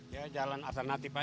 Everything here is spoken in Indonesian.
ya jalan alternatif aja